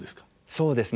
そうですね。